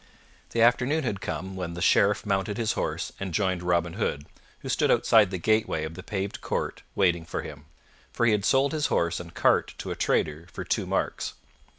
The afternoon had come when the Sheriff mounted his horse and joined Robin Hood, who stood outside the gateway of the paved court waiting for him, for he had sold his horse and cart to a trader for two marks.